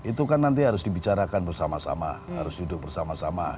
itu kan nanti harus dibicarakan bersama sama harus duduk bersama sama